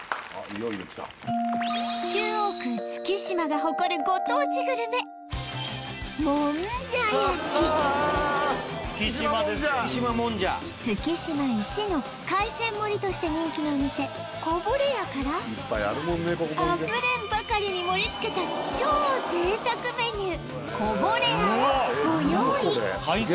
いよいよきた中央区月島が誇るご当地グルメ月島イチの海鮮盛りとして人気のお店「こぼれや」からあふれんばかりに盛りつけた超贅沢メニュー「こぼれや」をご用意